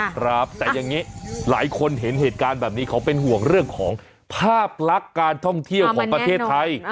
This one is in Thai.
ครับแต่อย่างนี้หลายคนเห็นเหตุการณ์แบบนี้เขาเป็นห่วงเรื่องของภาพลักษณ์การท่องเที่ยวของประเทศไทย